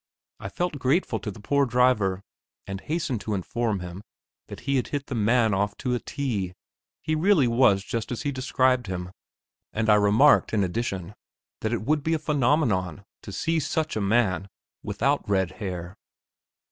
I felt grateful to the poor driver, and hastened to inform him that he had hit the man off to a T he really was just as he described him, and I remarked, in addition, that it would be a phenomenon to see such a man without red hair.